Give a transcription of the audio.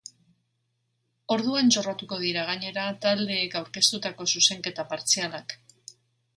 Orduan jorratuko dira, gainera, taldeek aurkeztutako zuzenketa partzialak.